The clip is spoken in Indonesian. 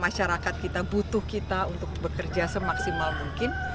masyarakat kita butuh kita untuk bekerja semaksimal mungkin